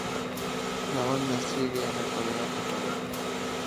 La Banda sigue en la actualidad tocando.